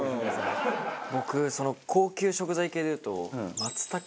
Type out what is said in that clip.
僕高級食材系でいうとマツタケ。